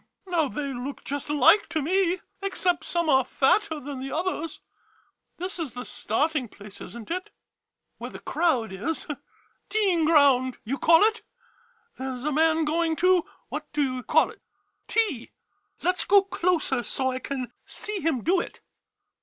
Now, they look just alike to me — except some are fatter than the others. This is the starting place, is n't it ? Where the crowd is — teeing ground, you call it ? There 's a man going to — what do you call it — tee? Let's go closer so I can see him do it.